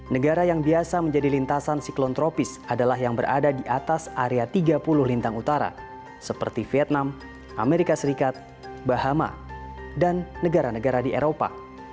negara yang biasa menjadi lintasan siklon tropis adalah yang berada di atas area tiga puluh lintang utara seperti vietnam amerika serikat bahama dan negara negara di eropa